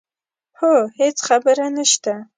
هو هېڅ خبره نه شته.